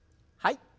はい。